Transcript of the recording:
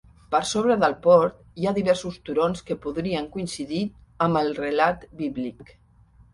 Per sobre del port hi ha diversos turons que podrien coincidir amb el relat bíblic.